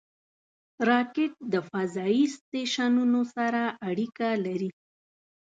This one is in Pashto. راکټ د فضایي سټیشنونو سره اړیکه لري